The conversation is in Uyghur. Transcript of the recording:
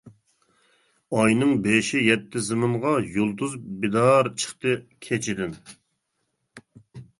ئاينىڭ بېشى يەتتى زېمىنغا، يۇلتۇز بىدار چىقتى كېچىدىن.